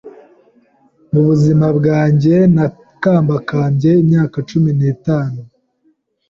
mu buzima bwanjye, nakambakambye imyaka cumi nitatu